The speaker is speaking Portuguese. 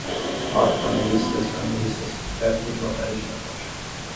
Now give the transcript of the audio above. Quatro canoístas e canoístas perto de uma parede da rocha.